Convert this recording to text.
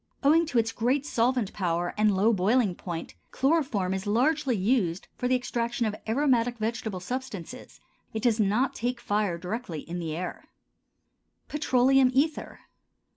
Owing to its great solvent power and low boiling point, chloroform is largely used for the extraction of aromatic vegetable substances; it does not take fire directly in the air. PETROLEUM ETHER.